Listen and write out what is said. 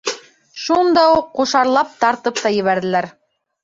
Шунда уҡ ҡушарлап тартып та ебәрҙеләр.